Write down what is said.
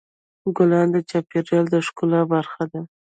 ګلان د چاپېریال د ښکلا برخه ده.